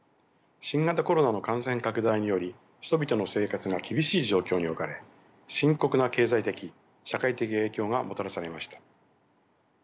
新型コロナの感染拡大により人々の生活が厳しい状況に置かれ深刻な経済的・社会的影響がもたらされました。